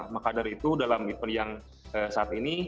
maka dari itu dalam event yang saat ini